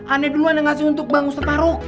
aneh duluan yang ngasih untuk bang ustadz farouk